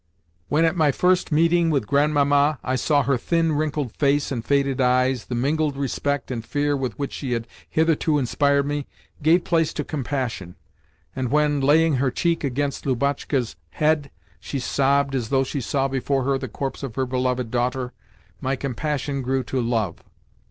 When at my first meeting with Grandmamma, I saw her thin, wrinkled face and faded eyes, the mingled respect and fear with which she had hitherto inspired me gave place to compassion, and when, laying her cheek against Lubotshka's head, she sobbed as though she saw before her the corpse of her beloved daughter, my compassion grew to love.